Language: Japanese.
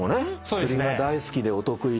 釣りが大好きでお得意で。